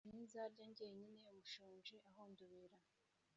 sinzarya ngenyine umushonji ahondobera,